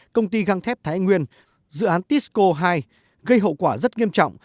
công ty găng thép thái nguyên dự án tisco hai gây hậu quả rất nghiêm trọng